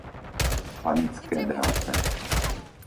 Panické Dravce